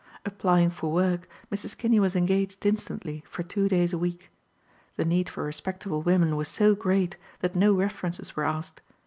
Applying for work Mrs. Kinney was engaged instantly for two days a week. The need for respectable women was so great that no references were asked.